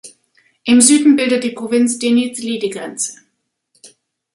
Im Süden bildet die Provinz Denizli die Grenze.